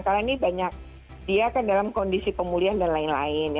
karena ini dia kan dalam kondisi pemulihan dan lain lain